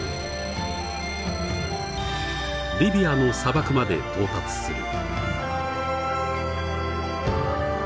リビアの砂漠まで到達する。